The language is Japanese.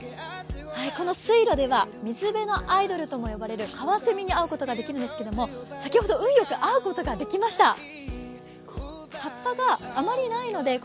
この水路では水辺のアイドルともいわれるカワセミに会うことができるんですけど、先ほど運よく会うことができました。